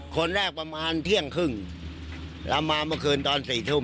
คนแรกประมาณเที่ยงครึ่งเรามาเมื่อคืนตอน๔ทุ่ม